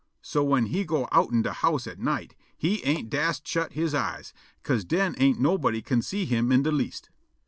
So whin he go' outen de house at night, he ain't dast shut he eyes, 'ca'se den ain't nobody can see him in de least.